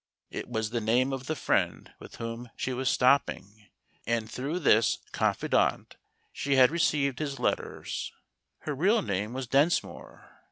It was the name of the friend with whom she was stopping, and through this confidante she had received his let¬ ters. Her real name was Densmore.